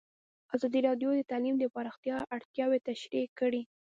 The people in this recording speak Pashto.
ازادي راډیو د تعلیم د پراختیا اړتیاوې تشریح کړي.